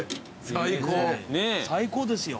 最高ですよ。